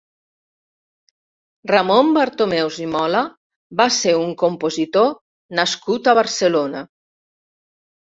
Ramon Bartomeus i Mola va ser un compositor nascut a Barcelona.